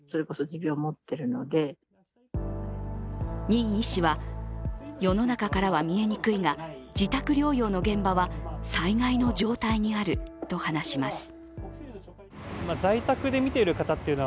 任医師は、世の中からは見えにくいが、自宅療養の現場は災害の状態にあると話します。